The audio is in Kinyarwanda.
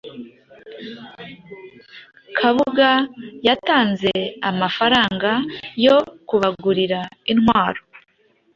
Kabuga yatanze amafaranga yo kubagurira intwaro,